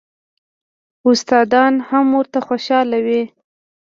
استادان هم ورته خوشاله وي.